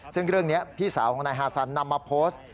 ซึ่งเรื่องนี้พี่สาวของนายฮาซันนำมาโพสต์